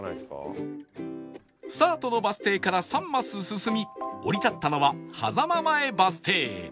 スタートのバス停から３マス進み降り立ったのは狭間前バス停